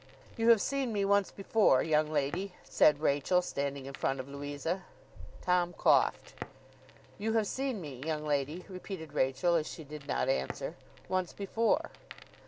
'You have seen me once before, young lady,' said Rachael, standing in front of Louisa. Tom coughed. 'You have seen me, young lady,' repeated Rachael, as she did not answer, 'once before.